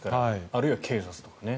あるいは警察とかね。